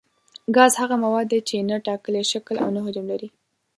ګاز هغه مواد دي چې نه ټاکلی شکل او نه حجم لري.